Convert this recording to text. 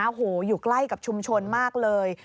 โอ้โหอยู่ใกล้กับชุมชนมากเลย